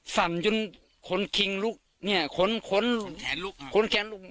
สั่นจนคนคิงลุกเนี่ยค้นค้นแขนลุกค้นแขนลุก